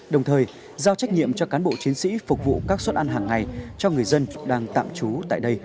đồng thời giao trách nhiệm cho cán bộ chiến sĩ phục vụ các suất ăn hàng ngày cho người dân đang tạm trú tại đây